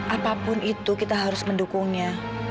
apapun itu kita harus mendukungnya